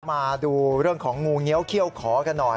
มาดูเรื่องของงูเงี้ยวเขี้ยวขอกันหน่อย